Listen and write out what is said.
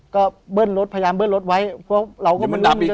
ก็เบิ้ลรถพยายามเบิ้ลรถไว้เดี๋ยวมันดับอีก